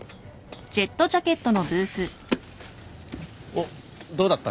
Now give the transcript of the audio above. おっどうだった？